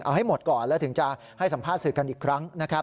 เอาให้หมดก่อนแล้วถึงจะให้สัมภาษณ์สื่อกันอีกครั้งนะครับ